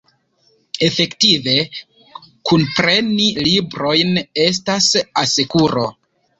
Efektive, kunpreni librojn estas asekuro.